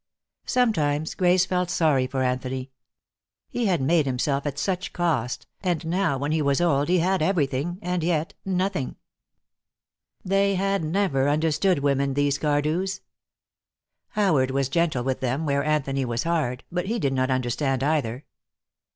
Sometimes Grace felt sorry for Anthony. He had made himself at such cost, and now when he was old, he had everything and yet nothing. They had never understood women, these Cardews. Howard was gentle with them where Anthony was hard, but he did not understand, either.